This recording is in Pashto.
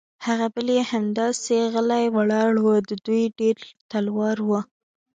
هغه بل یې همداسې غلی ولاړ و، د دوی ډېر تلوار و.